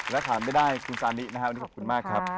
และขาดไม่ได้คุณซานินะครับวันนี้ขอบคุณมากครับ